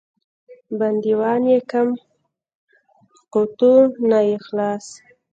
بندیوان یې کم قوته نه یې خلاص.